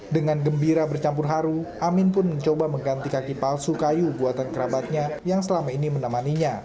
dengan gembira bercampur haru amin pun mencoba mengganti kaki palsu kayu buatan kerabatnya yang selama ini menemaninya